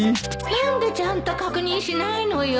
何でちゃんと確認しないのよ